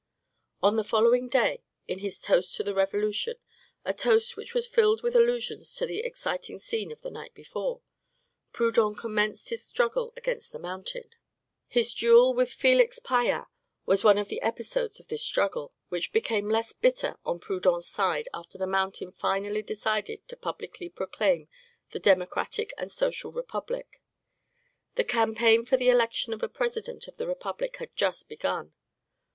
On the following day, in his Toast to the Revolution, a toast which was filled with allusions to the exciting scene of the night before, Proudhon commenced his struggle against the Mountain. His duel with Felix Pyat was one of the episodes of this struggle, which became less bitter on Proudhon's side after the Mountain finally decided to publicly proclaim the Democratic and Social Republic. The campaign for the election of a President of the Republic had just begun.